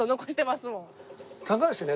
高橋ね